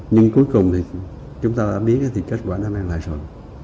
nhưng cuối cùng thì chúng ta đã biết thì kết quả đã mang lại rồi